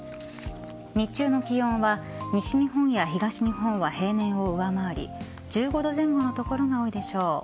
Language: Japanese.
日中の気温は西日本や東日本は平年を上回り１５度前後の所が多いでしょう。